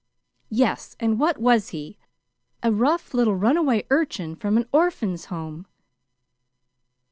"Yes, and what was he? A rough little runaway urchin from an Orphans' Home!